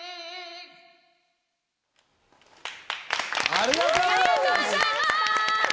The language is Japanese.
ありがとうございます！